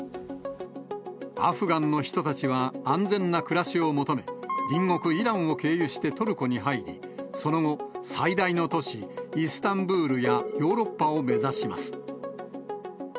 アフガンの人たちは安全な暮らしを求め、隣国イランを経由してトルコに入り、その後、最大の都市、イスタンブールやヨーロッパを目指します。